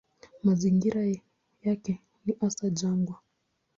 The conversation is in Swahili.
Mazingira yake ni hasa jangwa.